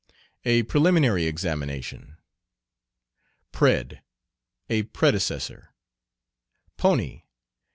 A preliminary examination. "Pred." A predecessor. "Pony."